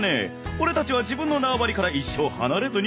俺たちは自分の縄張りから一生離れずに暮らすのさ。